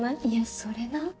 いやそれな。